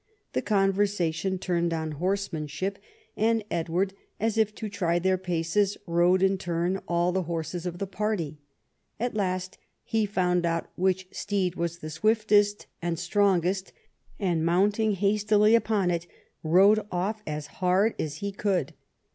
The conversation turned on horsemanship, and II EDWARD AND THE BARONS' WARS 39 Edward, as if to try their paces, rode in turn all the horses of the party. At last he found out which steed was the swiftest and strongest, and, mounting hastily upon it, rode off as hard as he could.